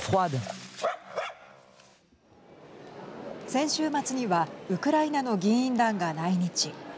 先週末にはウクライナの議員団が来日。